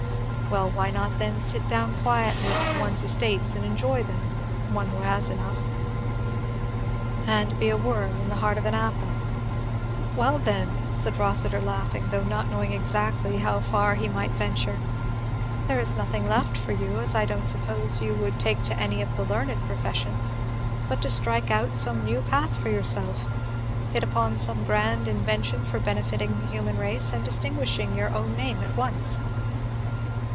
"Well, why not then sit down quietly on one's estates and enjoy them, one who has enough?" "And be a worm in the heart of an apple." "Well then," said Rossitur laughing, though not knowing exactly how far he might venture, "there is nothing left for you, as I don't suppose you would take to any of the learned professions, but to strike out some new path for yourself hit upon some grand invention for benefiting the human race and distinguishing your own name at once."